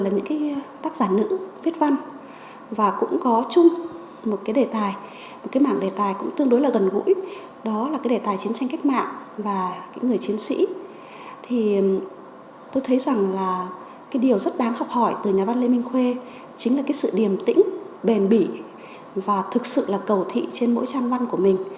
những cái góc khuất của số phận của cuộc đời thì cũng rất xuất sắc